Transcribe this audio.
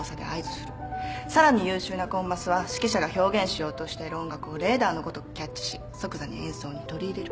さらに優秀なコンマスは指揮者が表現しようとしている音楽をレーダーのごとくキャッチし即座に演奏に取り入れる。